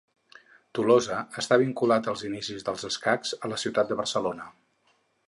Tolosa està vinculat als inicis dels escacs a la ciutat de Barcelona.